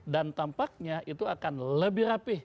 dan tampaknya itu akan lebih rapih